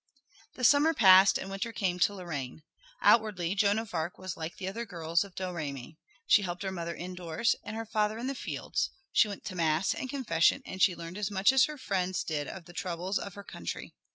The summer passed and winter came to Lorraine. Outwardly Joan of Arc was like the other girls of Domremy. She helped her mother indoors and her father in the fields, she went to mass and confession and she learned as much as her friends did of the troubles of her country.